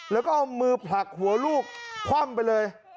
แล้วก็เอามือผลักหัวลูกคว่ำไปเลย